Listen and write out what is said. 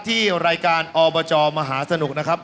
ที่รายการอบจมหาสนุกนะครับ